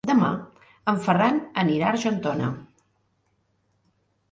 Demà en Ferran anirà a Argentona.